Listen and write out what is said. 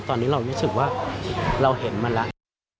ตอนนี้เรารู้สึกว่าเราเห็นมาแล้ว